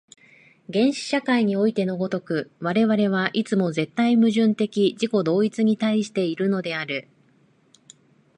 原始社会においての如く、我々はいつも絶対矛盾的自己同一に対しているのである。